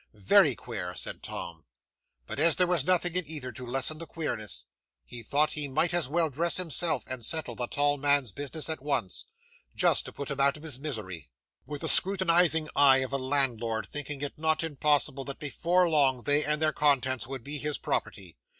"Very queer," said Tom. But, as there was nothing in either, to lessen the queerness, he thought he might as well dress himself, and settle the tall man's business at once just to put him out of his misery. 'Tom surveyed the rooms he passed through, on his way downstairs, with the scrutinising eye of a landlord; thinking it not impossible, that before long, they and their contents would be his property.